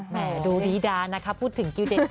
ดูดีดานะคะพูดถึงกิวเด็ก